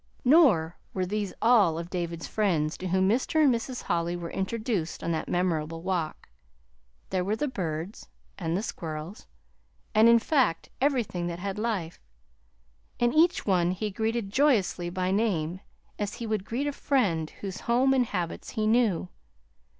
Nor were these all of David's friends to whom Mr. and Mrs. Holly were introduced on that memorable walk. There were the birds, and the squirrels, and, in fact, everything that had life. And each one he greeted joyously by name, as he would greet a friend whose home and habits he knew.